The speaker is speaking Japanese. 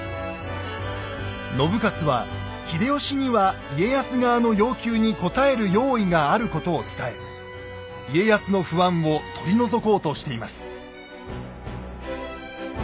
信雄は秀吉には家康側の要求に応える用意があることを伝え家康の不安を取り除こうしています。